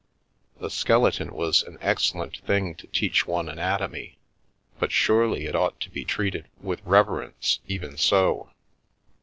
A skeleton was an excellent thing to teach one anatomy, but surely it ought to be treated with reverence, even so.